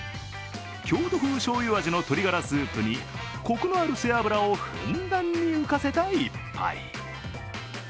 京都風醤油味の鶏ガラスープにこくのある背脂をふんだんに浮かせた一杯。